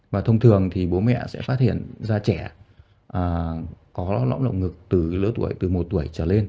và thông thường thì bố mẹ sẽ phát hiện ra trẻ có lõng ngực từ lỡ tuổi từ một tuổi trở lên